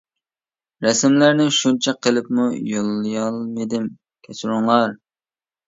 رەسىملەرنى شۇنچە قىلىپمۇ يولىيالمىدىم، ،،،،،،،،، كەچۈرۈڭلار!